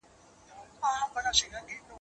جواب ورکړه..